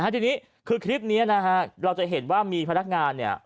ทีนี้คือคลิปนี้นะฮะเราจะเห็นว่ามีพนักงานเนี่ย